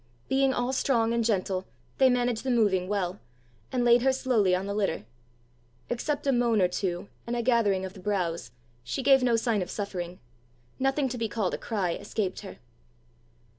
Being all strong and gentle, they managed the moving well, and laid her slowly on the litter. Except a moan or two, and a gathering of the brows, she gave no sign of suffering; nothing to be called a cry escaped her.